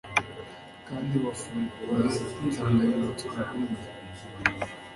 Kandi wafunguye insanganyamatsiko kuri njye